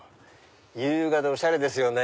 優雅でおしゃれですよね。